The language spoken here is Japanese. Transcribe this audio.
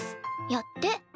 やって。